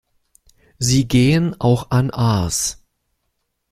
Sie gehen auch an Aas.